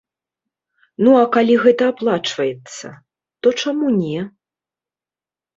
Ну а калі гэта аплачваецца, то чаму не?